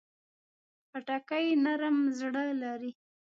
خټکی نرم زړه لري.